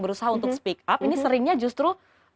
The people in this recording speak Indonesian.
berusaha untuk speak up ini seringnya justru